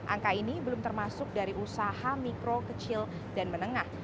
angka ini belum termasuk dari usaha mikro kecil dan menengah